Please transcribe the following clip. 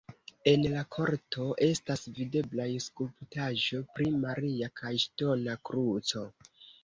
En la korto estas videblaj skulptaĵo pri Maria kaj ŝtona kruco.